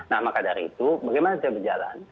nah maka dari itu bagaimana bisa berjalan